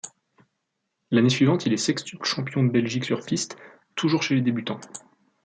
L'année suivante, il est sextuple champion de Belgique sur piste, toujours chez les débutants.